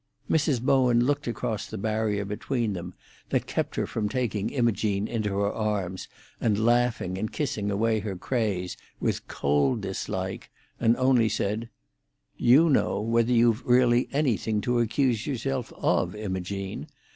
Mrs. Bowen looked across the barrier between them, that kept her from taking Imogene into her arms, and laughing and kissing away her craze, with cold dislike, and only said, "You know whether you've really anything to accuse yourself of, Imogene.